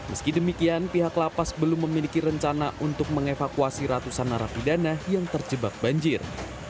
meski demikian pihak lapas belum memiliki rencana untuk mengevakuasi ratusan narapidana yang terjebak banjir